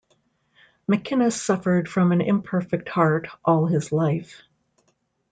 McInnes suffered from an imperfect heart all his life.